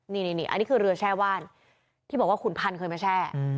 นี่อันนี้คือเรือแช่ว่านที่บอกว่าขุนพันธ์เคยมาแช่